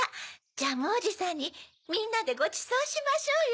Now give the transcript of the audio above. ジャムおじさんにみんなでごちそうしましょうよ。